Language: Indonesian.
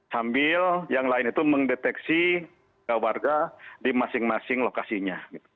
sambil yang lain itu mendeteksi warga di masing masing lokasinya